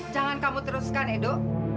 jangan kamu teruskan edo